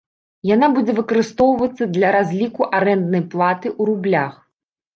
Яна будзе выкарыстоўвацца для разліку арэнднай платы ў рублях.